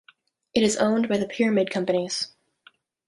It is owned by The Pyramid Companies.